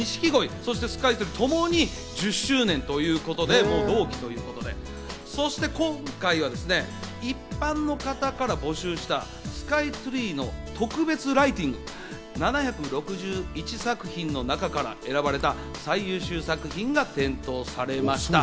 錦鯉、スカイツリーともに１０周年ということで同期ということで、そして今回はですね、一般の方から募集したスカイツリーの特別ライティング、７６１作品の中から選ばれた最優秀作品が点灯されました。